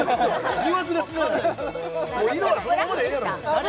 疑惑ですね「色はそのままでええやろ」